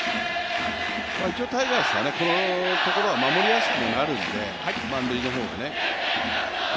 タイガースはこのところは守りやすくなるので、満塁の方がね。